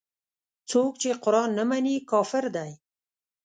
څوک چې قران نه مني کافر دی.